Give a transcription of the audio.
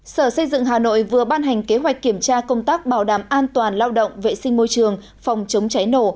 sở xây dựng hà nội vừa ban hành kế hoạch kiểm tra công tác bảo đảm an toàn lao động vệ sinh môi trường phòng chống cháy nổ